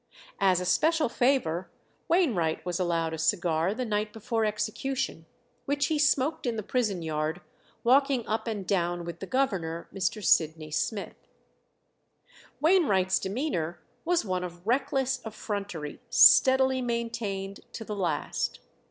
As a special favour Wainwright was allowed a cigar the night before execution, which he smoked in the prison yard, walking up and down with the governor, Mr. Sydney Smith. Wainwright's demeanour was one of reckless effrontery steadily maintained to the last.